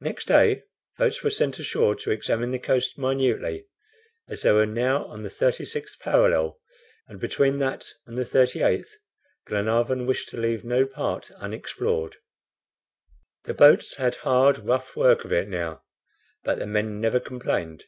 Next day, boats were sent ashore to examine the coast minutely, as they were now on the 36th parallel, and between that and the 38th Glenarvan wished to leave no part unexplored. The boats had hard, rough work of it now, but the men never complained.